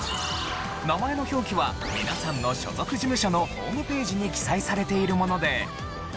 名前の表記は皆さんの所属事務所のホームページに記載されているもので。